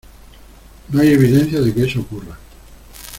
no hay evidencia de que eso ocurra.